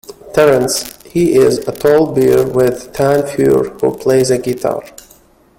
Terrence- He is a tall bear with tan fur who plays a guitar.